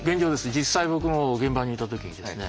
実際僕も現場にいた時にですね